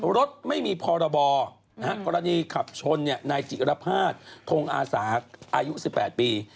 รถไม่มีพรบกรณีขับชนนายจิรภาษณทงอาสาอายุ๑๘ปี